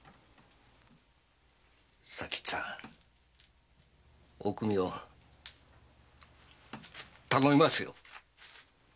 佐吉さんおくみを頼みますよ！